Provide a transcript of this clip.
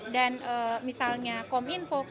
dan misalnya kominfo